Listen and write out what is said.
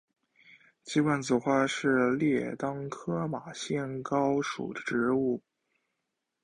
鸡冠子花是列当科马先蒿属的植物。